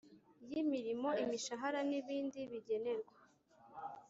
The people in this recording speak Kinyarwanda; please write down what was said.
Y imirimo imishahara n ibindi bigenerwa